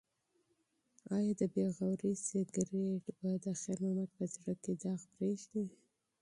ایا د بې پروایۍ سګرټ به د خیر محمد په زړه کې داغ پریږدي؟